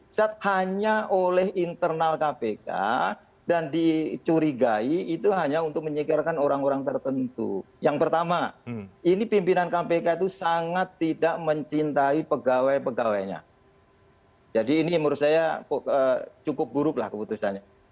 jadi ini menurut saya cukup buruk lah keputusannya